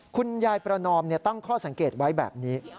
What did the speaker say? คุณยายประนอมตั้งข้อสังเกตไว้แบบนี้